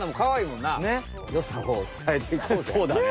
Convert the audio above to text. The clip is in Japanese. よさをつたえていこうぜ。